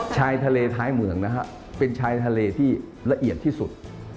ชายทะเลท้ายเมืองนะฮะเป็นชายทะเลที่ละเอียดที่สุด